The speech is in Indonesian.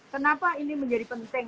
kenapa ini menjadi penting